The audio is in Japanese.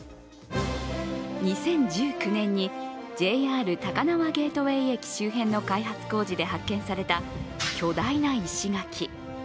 ２０１９年にＪＲ高輪ゲートウェイ駅周辺の開発工事で発見された、巨大な石垣。